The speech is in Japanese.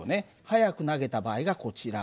速く投げた場合がこちら。